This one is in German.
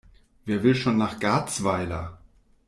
Wer will schon nach Garzweiler?